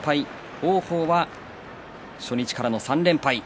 王鵬は初日からの３連敗。